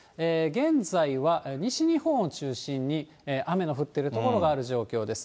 現在は西日本を中心に雨の降ってる所がある状況です。